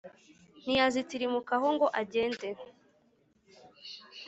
ntiyazitirimuka ho ngo agende